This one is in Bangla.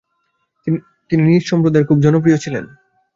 তিনি নিজ সম্প্রদায়ের মধ্যে খুব জনপ্রিয় ছিলেন।